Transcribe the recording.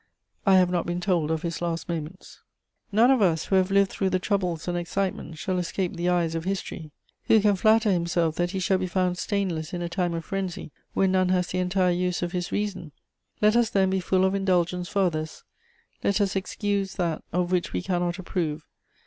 I have not been told of his last moments. "None of us, who have lived through the troubles and excitements, shall escape the eyes of history. Who can flatter himself that he shall be found stainless in a time of frenzy when none has the entire use of his reason? Let us then be full of indulgence for others; let us excuse that of which we cannot approve.